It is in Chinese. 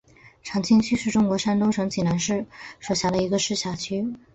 长清区是中国山东省济南市所辖的一个市辖区。